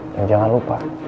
dan jangan lupa